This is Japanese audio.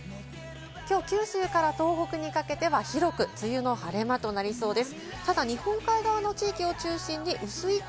きょう九州から東北にかけては広く梅雨の晴れ間となりそうです。